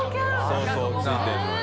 そうそうついてるのよ。）